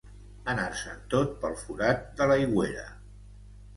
Anar-se'n tot pel forat de l'aigüera.